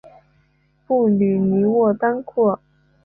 布吕尼沃当库尔。